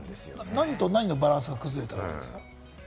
何と何のバランスが崩れたらなんですか？